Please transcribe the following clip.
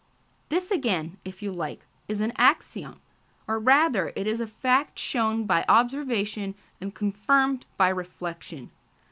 This again, if you like, is an axiom, or rather it is a fact shown by observation and confirmed by reflection.